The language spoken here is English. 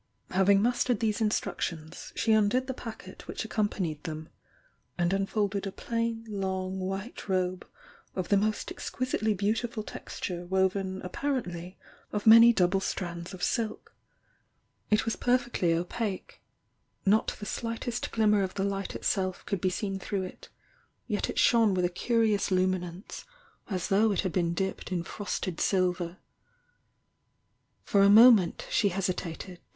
Having mastered these instructions she undid the packet which accompanied them, — and unfolded a plain, long, white robe of the most exquisitely beau tiful texture woven apparently of many double strands of silk. It was perfectly opaque — not the slightest glimmer of the light itself could be seen through it, yet it shone with a curious lu.iinance THE YOUNG DIANA 285 w. though it had been dipped in frosted silver For a moment she hesitated.